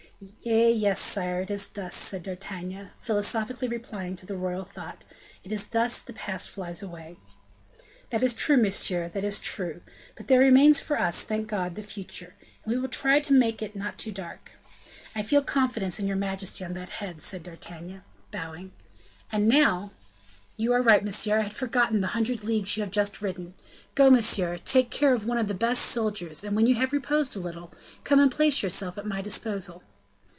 "Eh! yes, sire, it is thus," said D'Artagnan, philosophically replying to the royal thought, "it is thus the past flies away." "That is true, monsieur, that is true; but there remains for us, thank God! the future; and we will try to make it not too dark." "I feel confidence in your majesty on that head," said D'Artagnan, bowing, "and now " "You are right, monsieur; I had forgotten the hundred leagues you have just ridden. Go, monsieur, take care of one of the best of soldiers, and when you have reposed a little, come and place yourself at my disposal."